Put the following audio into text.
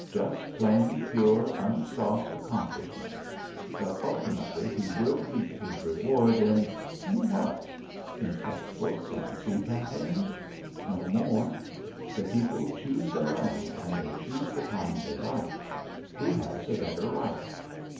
Just plain, pure, unsauced accomplishment. But ultimately he will reap his reward in in what? In text books on sea campaigns. No more. The people choose their own and they choose the kind they like. Who has a better right?